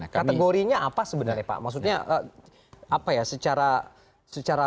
kategorinya apa sebenarnya pak maksudnya apa ya secara